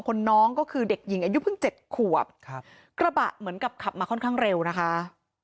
น้องก็คือเด็กหญิงอายุเพิ่งเจ็ดขวบครับกระบะเหมือนกับขับมาค่อนข้างเร็วนะคะ